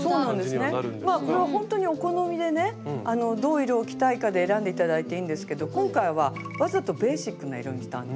これはほんとにお好みでねどう色を着たいかで選んで頂いていいんですけど今回はわざとベーシックな色にしたんですね。